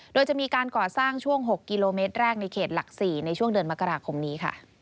โดยจะมีการก่อสร้างช่วง๖กิโลเมตรแรกในเขตหลัก๔ในช่วงเดือนมกราคมนี้ค่ะ